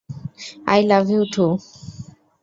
I love you two!